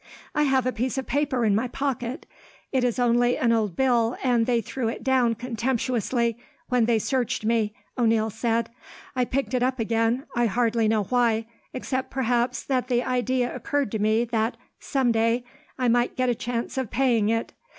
"I have a piece of paper in my pocket. It is only an old bill, and they threw it down, contemptuously, when they searched me," O'Neil said. "I picked it up again. I hardly know why, except perhaps that the idea occurred to me that, some day, I might get a chance of paying it.